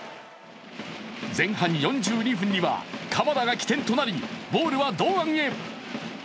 前半４２分には鎌田が起点となりボールは堂安へ。